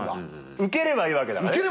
ウケればいいわけだからね。